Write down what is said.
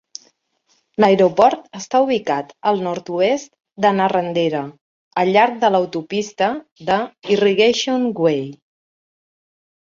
L'aeroport està ubicat al nord-oest de Narrandera, al llarg de l'autopista de Irrigation Way.